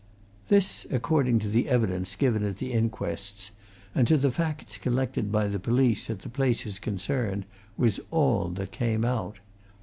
This, according to the evidence given at the inquests and to the facts collected by the police at the places concerned, was all that came out.